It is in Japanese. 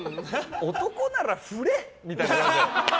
男なら振れ！みたいな。